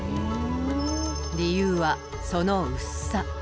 理由はその薄さ。